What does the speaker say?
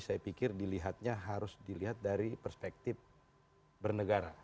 saya pikir dilihatnya harus dilihat dari perspektif bernegara